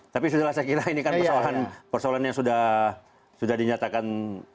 tapi setelah saya kira ini kan persoalan yang sudah dinyatakan